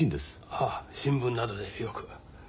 ああ新聞などでよく。